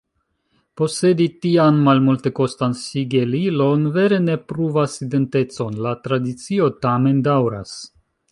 Posedi tian malmultekostan sigelilon vere ne pruvas identecon: la tradicio tamen daŭras.